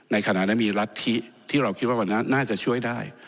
ขณะนั้นมีรัฐธิที่เราคิดว่าวันนั้นน่าจะช่วยได้